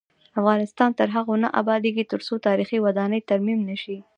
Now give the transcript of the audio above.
افغانستان تر هغو نه ابادیږي، ترڅو تاریخي ودانۍ ترمیم نشي.